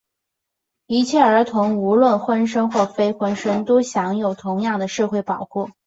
一切儿童,无论婚生或非婚生,都应享受同样的社会保护。